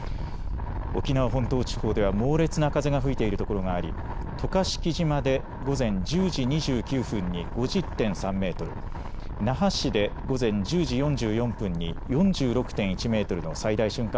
沖縄本島地方では猛烈な風が吹いているところがあり渡嘉敷島で午前１０時２９分に５０．３メートル、那覇市で午前１０時４４分に４６．１メートルの最大瞬間